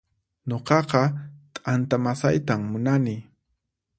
Nuqaqa t'anta masaytan munani